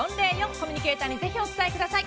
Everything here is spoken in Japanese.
コミュニケーターにぜひお伝えください。